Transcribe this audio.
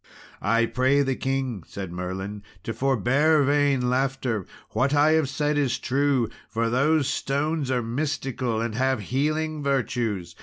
"I pray the king," said Merlin, "to forbear vain laughter; what I have said is true, for those stones are mystical and have healing virtues.